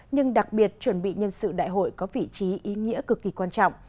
nhưng đặc biệt chuẩn bị nhân sự đại hội có vị trí ý nghĩa cực kỳ quan trọng